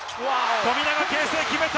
富永啓生、決めた！